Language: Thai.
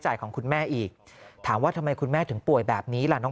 ของคุณแม่อีกถามว่าทำไมคุณแม่ถึงป่วยแบบนี้ล่ะน้อง